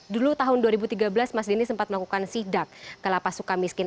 dulu tahun dua ribu tiga belas mas denny sempat melakukan sidak ke lapas suka miskin